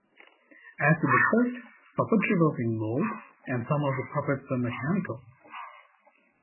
As with the first, puppetry was involved, and some of the puppets were mechanical.